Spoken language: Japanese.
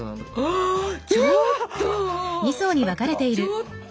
ちょっと。